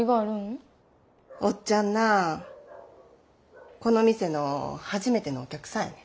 おっちゃんなこの店の初めてのお客さんやねん。